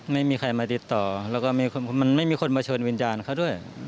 ไม่มีใครมาติดต่อแล้วก็ได้มาเจอวิญญาณเขาด้วย